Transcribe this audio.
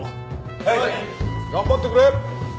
はい！頑張ってくれ！